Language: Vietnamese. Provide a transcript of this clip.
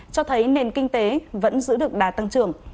cho thấy nền kinh tế vẫn giữ được đà tăng trưởng